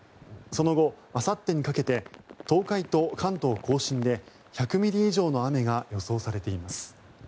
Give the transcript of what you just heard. その後、あさってにかけて東海と関東・甲信で１００ミリ以上の雨が予想されています。